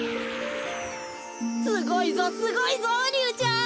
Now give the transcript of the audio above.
すごいぞすごいぞリュウちゃん！